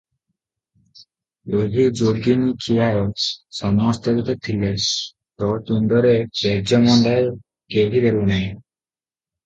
ଏହି ଯୋଗିନୀଖିଆଏ ସମସ୍ତେ ତ ଥିଲେ, ତୋ ତୁଣ୍ଡରେ ପେଜ ମନ୍ଦାଏ କେହି ଦେଲେ ନାହିଁ?